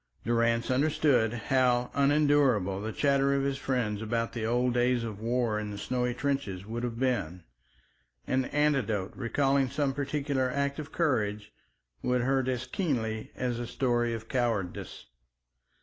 Durrance understood how unendurable the chatter of his friends about the old days of war in the snowy trenches would have been. An anecdote recalling some particular act of courage would hurt as keenly as a story of cowardice.